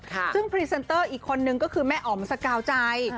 ซึ่งพรีเซนเตอร์อีกคนนึงก็คือแม่อ๋อมสกาวใจ